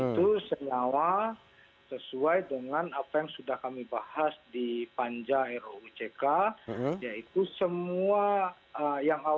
itu senyawa sesuai dengan apa yang sudah kami bahas di panjang